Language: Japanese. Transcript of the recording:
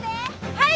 はい！